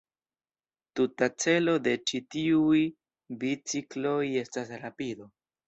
Tuta celo de ĉi tiuj bicikloj estas rapido.